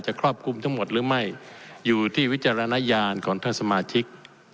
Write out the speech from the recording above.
ครอบคลุมทั้งหมดหรือไม่อยู่ที่วิจารณญาณของท่านสมาชิก